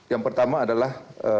yang pertama adalah